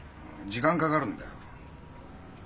時間かかるんだよ。